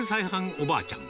おばあちゃん。